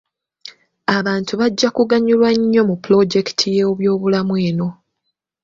Abantu bajja kuganyulwa nnyo mu pulojekiti y'ebyobulimi eno.